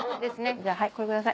じゃあはいこれください。